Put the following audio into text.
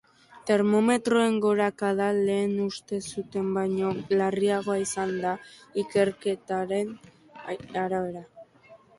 Termometroen gorakada lehen uste zuten baino larriagoa izango da, ikerketaren arabera.